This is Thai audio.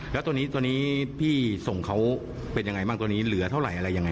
แล้วตัวนี้ตัวนี้พี่ส่งเขาเป็นยังไงบ้างตัวนี้เหลือเท่าไหร่อะไรยังไง